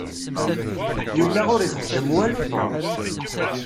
Yella ur ixeddem walu Tom.